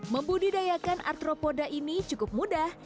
membudidayakan artropoda ini cukup mudah